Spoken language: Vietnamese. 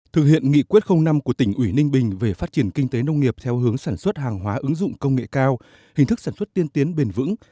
thực hiện nghị quyết năm của tỉnh ủy ninh bình về phát triển kinh tế nông nghiệp theo hướng sản xuất hàng hóa ứng dụng công nghệ cao hình thức sản xuất tiên tiến bền vững